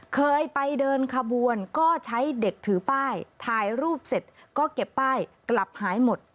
เคยไปเดินขบวนก็ใช้เด็กถือป้ายถ่ายรูปเสร็จก็เก็บป้ายกลับหายหมด